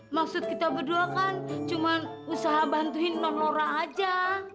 maksud kita berdua kan cuma usaha bantuin non lora aja